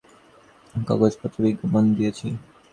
কাগজপত্রে বিজ্ঞাপন দিয়েছি।